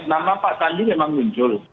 nama pak sandi memang muncul